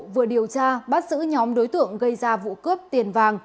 vừa điều tra bắt giữ nhóm đối tượng gây ra vụ cướp tiền vàng